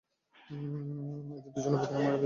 এদের দুজনের প্রতি এলার্জি আছে আমার।